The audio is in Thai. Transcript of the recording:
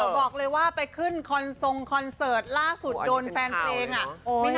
บอกเลยว่าไปขึ้นคอนทรงคอนเสิร์ตล่าสุดโดนแฟนเพลงอ่ะ